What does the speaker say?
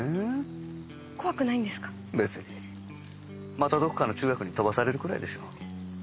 またどっかの中学に飛ばされるくらいでしょう。